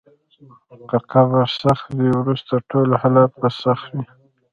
که قبر سخت وي، وروسته ټول حالات به سخت وي.